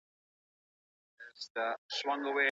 ایا ځايي کروندګر وچه مېوه پلوري؟